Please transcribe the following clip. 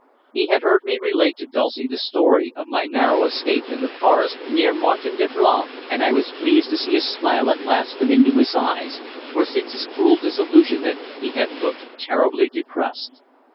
He had heard me relate to Dulcie the story of my narrow escape in the forest near Martin d'Ablois, and I was pleased to see a smile at last come into his eyes, for since his cruel disillusionment he had looked terribly depressed.